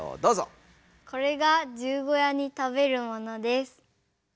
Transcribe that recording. これが十五夜に食べるものです。